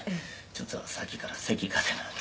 「“ちょっとさっきからせきが出るんで”